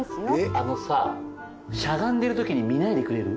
あのさしゃがんでるときに見ないでくれる？